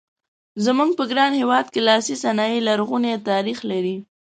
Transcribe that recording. زموږ په ګران هېواد کې لاسي صنایع لرغونی تاریخ لري.